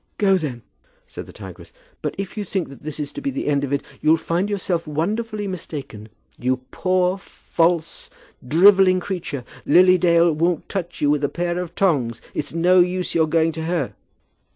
"Go then," said the tigress; "but if you think that this is to be the end of it, you'll find yourself wonderfully mistaken. You poor false, drivelling creature! Lily Dale won't touch you with a pair of tongs. It's no use your going to her."